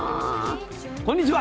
こんにちは。